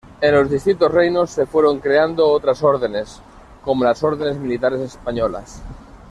En los distintos reinos se fueron creando otras órdenes, como las órdenes militares españolas.